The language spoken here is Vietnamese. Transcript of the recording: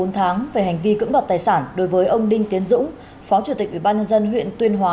bốn tháng về hành vi cưỡng đoạt tài sản đối với ông đinh tiến dũng phó chủ tịch ubnd huyện tuyên hóa